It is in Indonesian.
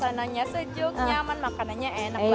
makanannya sejuk nyaman makanannya enak banget